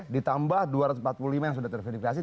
ditambah dua ratus empat puluh lima yang sudah terverifikasi